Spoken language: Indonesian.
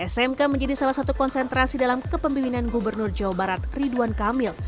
smk menjadi salah satu konsentrasi dalam kepemimpinan gubernur jawa barat ridwan kamil